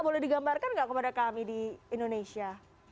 boleh digambarkan nggak kepada kami di indonesia